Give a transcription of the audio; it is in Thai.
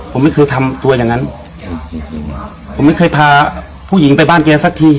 ผมไม่เคยทำตัวอย่างงั้นผมไม่เคยพาผู้หญิงไปบ้านแกสักที